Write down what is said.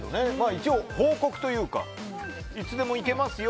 一応、報告というかいつでもいけますよ。